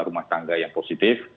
rumah tangga yang positif